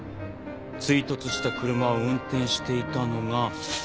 追突した車を運転していたのが駒田正一。